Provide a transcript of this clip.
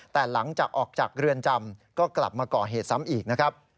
แต่หลังจากออกจากเรือนจำก็กลับมาก่อเหตุซ้ำอีกนะครับ